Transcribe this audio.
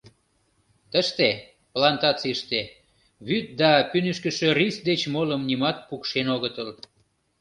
Тыште, плантацийыште, вӱд да пӱнышкышӧ рис деч молым нимат пукшен огытыл.